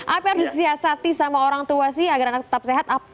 apa yang harus disiasati sama orang tua sih agar anak tetap sehat